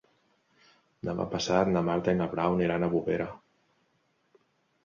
Demà passat na Marta i na Blau aniran a Bovera.